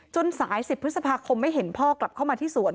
สาย๑๐พฤษภาคมไม่เห็นพ่อกลับเข้ามาที่สวน